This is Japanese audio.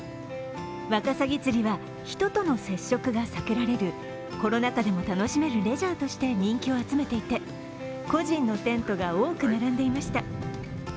ワカサギ釣りは人との接触が避けられるコロナ禍でも楽しめるレジャーとして人気を集めていて、個人のテントが多く並んでいました。